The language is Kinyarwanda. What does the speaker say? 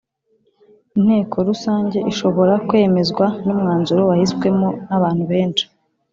Inteko Rusange ishobora kwemezwa numwanzuro wahiswemo nabantu benshi